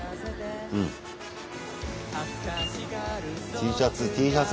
ＴシャツＴシャツ